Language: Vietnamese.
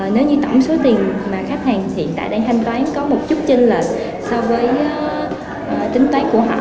nếu như tổng số tiền mà khách hàng hiện tại đang thanh toán có một chút trên lệnh